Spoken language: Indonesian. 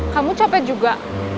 kamu copet juga